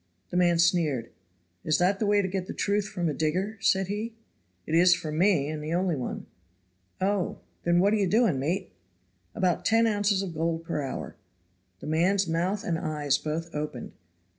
The man sneered. "Is that the way to get the truth from a digger?" said he. "It is from me, and the only one." "Oh! then what are you doing, mate?" "About ten ounces of gold per hour." The man's mouth and eyes both opened.